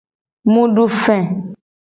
Mu du fe.